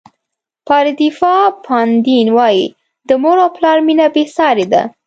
پاردیفا پاندین وایي د مور او پلار مینه بې سارې ده.